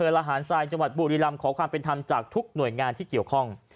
ระหารทรายจังหวัดบุรีรำขอความเป็นธรรมจากทุกหน่วยงานที่เกี่ยวข้อง